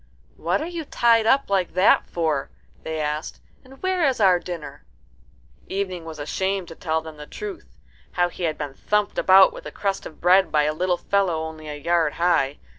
"What are you tied up like that for?" they asked; "and where is our dinner?" Evening was ashamed to tell them the truth how he had been thumped about with a crust of bread by a little fellow only a yard high.